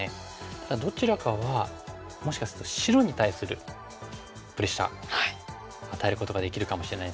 ただどちらかはもしかすると白に対するプレッシャー与えることができるかもしれないですね。